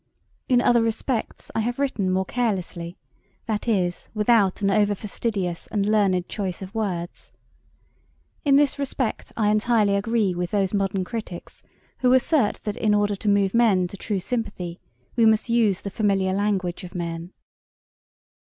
In other respects I have written more carelessly, that is, without an over fastidious and learned choice of words. In this respect I entirely agree with those modern critics who assert that in order to move men to true sympathy we must use the familiar language of men.'